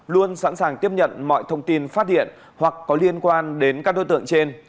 luôn sẵn sàng tiếp nhận mọi thông tin phát hiện hoặc có liên quan đến các đối tượng trên